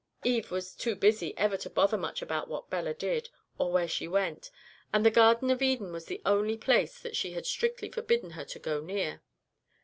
Eve was too busy ever to bother much about what Bella did or where she went, and the Garden of Eden was the only place that she had strictly forbidden her to go near.